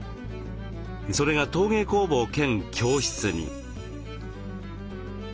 それが陶芸工房兼教室に。